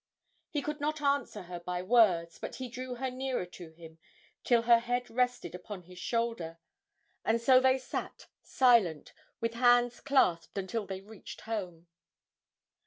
He could not answer her by words, but he drew her nearer to him till her head rested upon his shoulder, and so they sat, silent, with hands clasped, until they reached home.